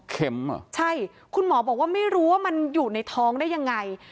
เข็มเหรอใช่คุณหมอบอกว่าไม่รู้ว่ามันอยู่ในท้องได้ยังไง